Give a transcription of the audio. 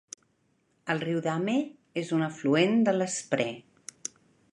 El riu Dahme és un afluent de l'Spree.